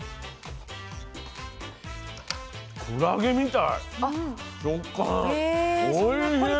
クラゲみたい食感。